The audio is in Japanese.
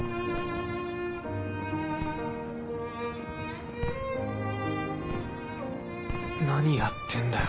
っ何やってんだよ？